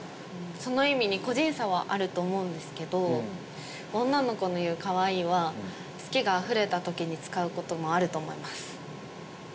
その意味に個人差はあると思うんですけど女の子の言う「かわいい」は好きがあふれた時に使うこともあると思います